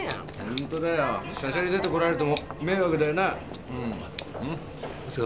ホントだよしゃしゃり出てこられても迷惑だよな。